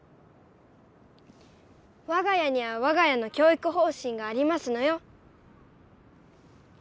わが家にはわが家の教育方針がありますのよ。